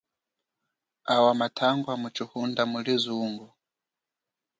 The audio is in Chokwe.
Awa mathangwa mutshihunda muli zungo.